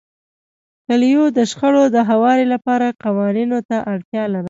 کلیو د شخړو د هواري لپاره قوانینو ته اړتیا لرله.